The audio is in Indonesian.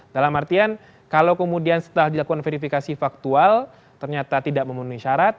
dalam artian kalau kemudian setelah dilakukan verifikasi faktual ternyata tidak memenuhi syarat